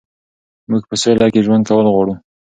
موږ په سوله کې ژوند کول غواړو.